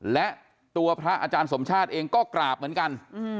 และตัวพระอาจารย์สมชาติเองก็กราบเหมือนกัน